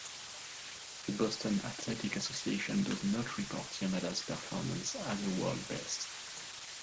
The Boston Athletic Association does not report Yamada's performance as a world best.